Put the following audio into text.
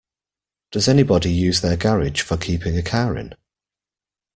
Does anybody use their garage for keeping a car in?